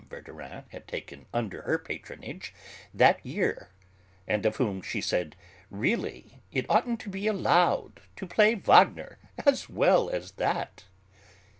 Verdurin had taken under her patronage that year, and of whom she said "Really, it oughtn't to be allowed, to play Wagner as well as that!"